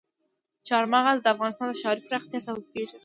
چار مغز د افغانستان د ښاري پراختیا سبب کېږي.